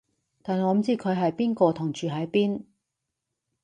但我唔知佢係邊個同住喺邊